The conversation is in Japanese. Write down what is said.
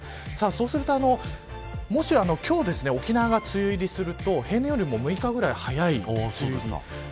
そうすると、もし今日沖縄が梅雨入りすると平年よりも６日ぐらい早い梅雨入り。